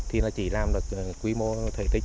thì nó chỉ làm được quy mô thể tích